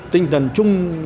tinh thần chung